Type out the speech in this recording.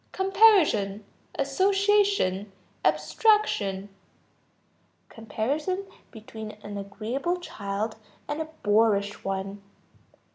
Comparison, association, abstraction. Comparison between an agreeable child and a boorish one.